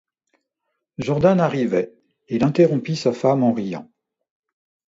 Jordan arrivait, il interrompit sa femme en riant.